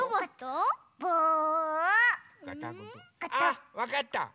あっわかった！